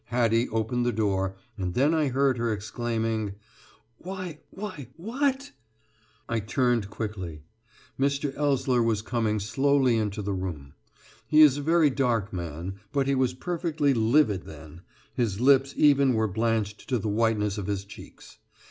Hattie opened the door, and then I heard her exclaiming: "Why why what!" I turned quickly. Mr. Ellsler was coming slowly into the room. He is a very dark man, but be was perfectly livid then his lips even were blanched to the whiteness of his cheeks.